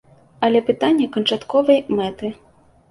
Але пытанне канчатковай мэты.